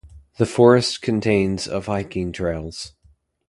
The forest contains of hiking trails.